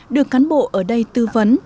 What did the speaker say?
được cán bộ ở đây tư vấn